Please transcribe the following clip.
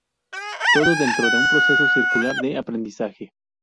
Todo dentro de un proceso circular de aprendizaje.